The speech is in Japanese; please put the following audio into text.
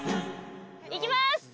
いきます！